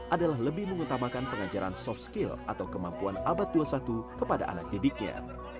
adalah lebih mengutamakan pengajaran soft skill atau kemampuan abad dua puluh satu kepada anak didiknya